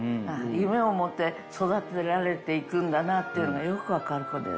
夢を持って育てられていくんだなっていうの、よく分かる子で。